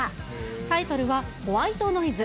タイトルは、ホワイトノイズ。